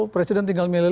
presiden tinggal milih lima